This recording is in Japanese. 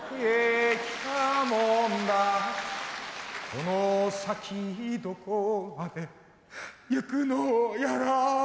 「この先どこまでゆくのやら」